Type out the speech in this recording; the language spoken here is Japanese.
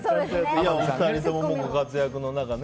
お二人ともご活躍の中ね